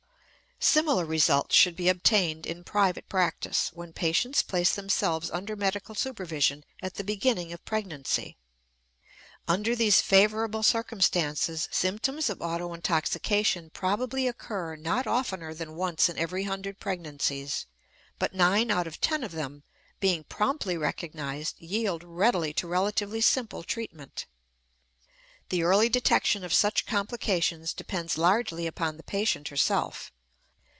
Similar results should be obtained in private practice when patients place themselves under medical supervision at the beginning of pregnancy. Under these favorable circumstances symptoms of autointoxication probably occur not oftener than once in every hundred pregnancies, but nine out of ten of them, being promptly recognized, yield readily to relatively simple treatment. The early detection of such complications depends largely upon the patient herself.